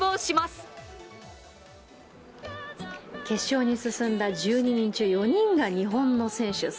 決勝に進んだ１２人中４人が日本の選手。